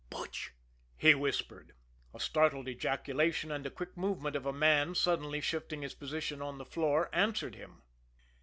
"Butch!" he whispered. A startled ejaculation, and a quick movement as of a man suddenly shifting his position on the floor, answered him.